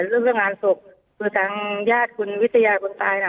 เรื่องเรื่องงานศพคือทางญาติคุณวิทยาคนตายนะ